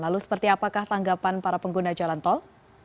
lalu seperti apakah tanggapan para pengguna jalan tol